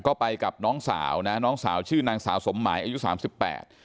ก็ไปกับน้องสาวนะน้องสาวชื่อนางสาวสมหมายอายุสามสิบแปด